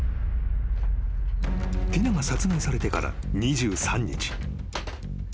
［ティナが殺害されてから２３日］